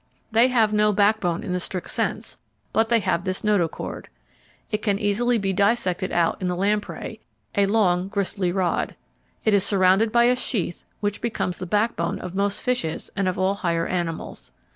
They have no backbone in the strict sense, but they have this notochord. It can easily be dissected out in the lamprey a long gristly rod. It is surrounded by a sheath which becomes the backbone of most fishes and of all higher animals.